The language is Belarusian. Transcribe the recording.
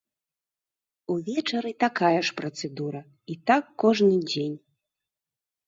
Увечары такая ж працэдура, і так кожны дзень.